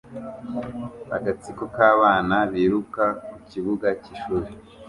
Agatsiko k'abana biruka ku kibuga cy'ishuri